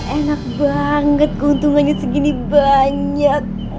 enak banget keuntungannya segini banyak